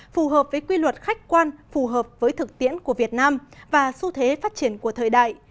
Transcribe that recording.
phù hợp với quy luật khách quan phù hợp với thực tiễn của việt nam và xu thế phát triển của thời đại